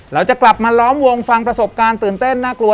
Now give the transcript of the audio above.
เราจะกลับมาล้อมวงฟังประสบการณ์ตื่นเต้นน่ากลัว